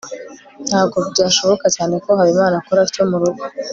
ntabwo bishoboka cyane ko habimana akora atyo murugo